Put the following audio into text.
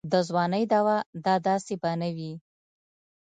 د ځوانۍ دوا دا داسې به نه وي.